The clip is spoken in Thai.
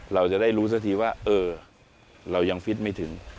เราจะได้รู้สักทีว่าเออเรายังฟิตไม่ถึง